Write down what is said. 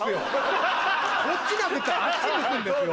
こっちじゃなくてあっち向くんですよ。